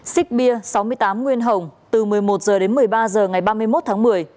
xích bia sáu mươi tám nguyên hồng từ một mươi một h đến một mươi ba h ngày ba mươi một tháng một mươi